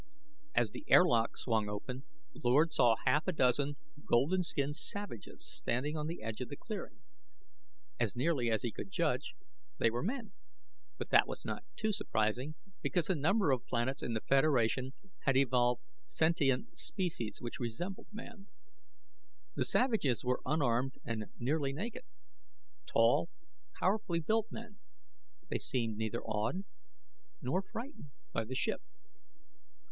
As the airlock swung open, Lord saw half a dozen golden skinned savages standing on the edge of the clearing. As nearly as he could judge, they were men; but that was not too surprising, because a number of planets in the Federation had evolved sentient species which resembled man. The savages were unarmed and nearly naked tall, powerfully built men; they seemed neither awed nor frightened by the ship.